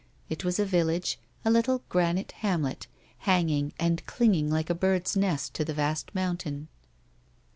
It was a village, a little granite hamlet, hanging and clinging like a bird's nest to the vast mountain.